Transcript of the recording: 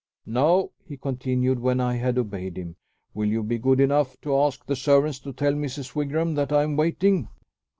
Now," he continued, when I had obeyed him, "will you be good enough to ask the servants to tell Mrs. Wigram that I am waiting?"